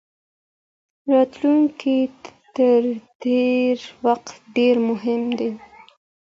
راتلونکی تر تیر وخت ډیر مهم دی.